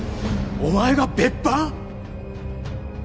お前が別班？